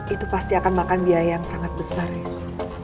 itu pasti akan makan biaya yang sangat besar ya